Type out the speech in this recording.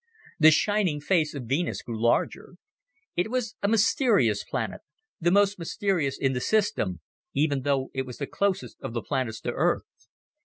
The shining face of Venus grew larger. It was a mysterious planet, the most mysterious in the system, even though it was the closest of the planets to Earth.